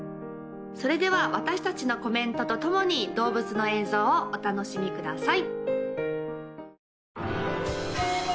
それでは私達のコメントとともに動物の映像をお楽しみください